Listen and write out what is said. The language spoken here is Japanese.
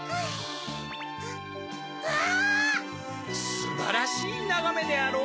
すばらしいながめであろう？